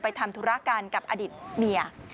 ไปทำธุรการกับอดีตเมีย